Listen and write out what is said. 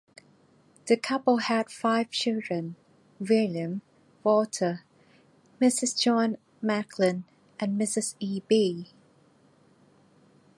The couple had five children: William, Walter, Mrs. John McLean, Mrs. E. B.